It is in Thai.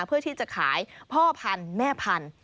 เพื่อที่จะขายพ่อพันธุ์แม่พันธุ